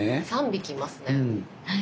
３匹いますね。